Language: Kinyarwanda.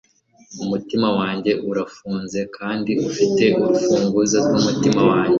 umutima wanjye urafunze kandi ufite urufunguzo rwumutima wanjye